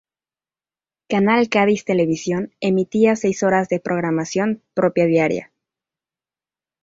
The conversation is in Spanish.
Canal Cádiz Televisión emitía seis horas de programación propia diaria.